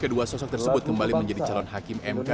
kedua sosok tersebut kembali menjadi calon hakim mk